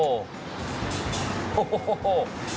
โอ้โห